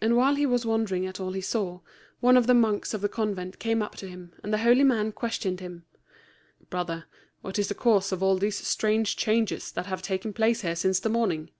And while he was wondering at all he saw, one of the monks of the convent came up to him, and the holy man questioned him, "Brother, what is the cause of all these strange changes that have taken place here since the morning?"